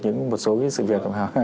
những một số cái sự việc